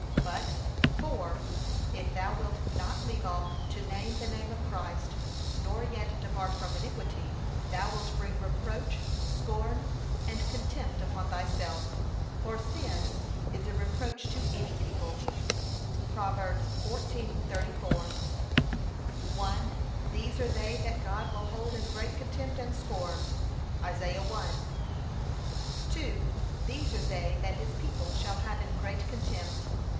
But, 4. If thou wilt not leave off to name the name of Christ, nor yet depart from iniquity, thou wilt bring reproach, scorn, and contempt upon thyself. For 'sin is a reproach to any people.' (Prov. 14:34). (1.) These are they that God will hold in great contempt and scorn. (Isa. 1) (2.) These are they that his people shall have in great contempt.